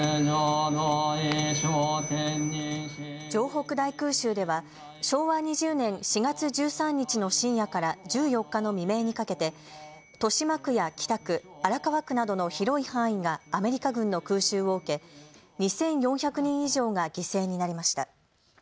城北大空襲では昭和２０年４月１３日の深夜から１４日の未明にかけて豊島区や北区、荒川区などの広い範囲がアメリカ軍の空襲を受け２４００人以上が犠牲になりました。